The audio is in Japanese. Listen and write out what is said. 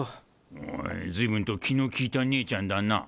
おい随分と気の利いた姉ちゃんだな。